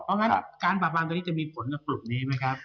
เพราะงั้นการปราบปรามตัวนี้จะมีผลกับกลุ่มนี้ไหมครับ